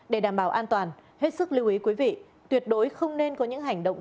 để đảm bảo an toàn hết sức lưu ý quý vị tuyệt đối không nên có những hành động